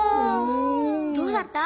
どうだった？